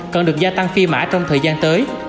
cần được gia tăng phi mã trong thời gian tới